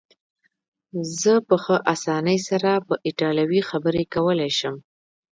زه په ښه اسانۍ سره په ایټالوي خبرې کولای شم.